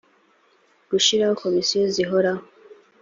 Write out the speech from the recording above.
gushyiraho komisiyo zihoraho